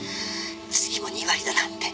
「次も２割だなんて」